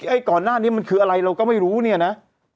ไอ้ก่อนหน้านี้มันคืออะไรเราก็ไม่รู้เนี่ยนะ